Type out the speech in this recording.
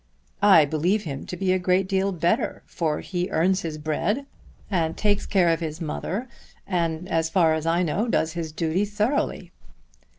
"I believe him to be a great deal better, for he earns his bread, and takes care of his mother, and as far as I know does his duty thoroughly."